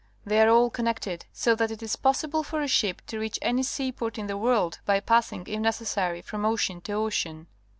They are all connected, so that it is possible for a ship to reach any seaport in the world by passing, if necessary, from ocean to ocean.